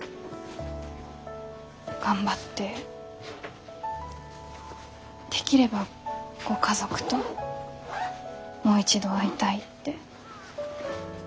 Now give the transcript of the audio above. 頑張ってできればご家族ともう一度会いたいって。